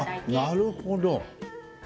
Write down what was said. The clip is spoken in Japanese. なるほど。